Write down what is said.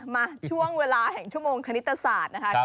มาช่วงเวลาแห่งชั่วโมงคณิตศาสตร์นะคะ